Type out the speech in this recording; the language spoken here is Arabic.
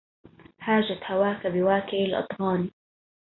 هاجت هواك بواكر الأظعان